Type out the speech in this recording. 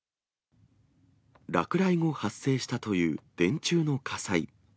落雷後、発生したという電柱の火災。